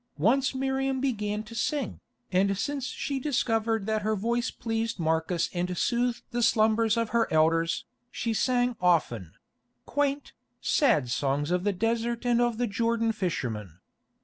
Once Miriam began to sing, and since she discovered that her voice pleased Marcus and soothed the slumbers of the elders, she sang often; quaint, sad songs of the desert and of the Jordan fishermen.